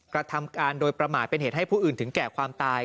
กระทำการโดยประมาทเป็นเหตุให้ผู้อื่นถึงแก่ความตาย